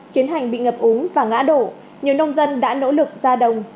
tiến hành bị ngập úng và ngã đổ nhiều nông dân đã nỗ lực ra đồng